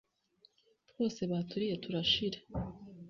twose baturiye turashira.